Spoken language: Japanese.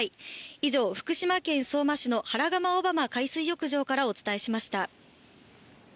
以上、福島県相馬市の原釜尾浜海水浴場からお伝えしました。